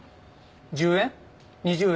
１０円？